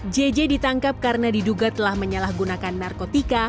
jj ditangkap karena diduga telah menyalahgunakan narkotika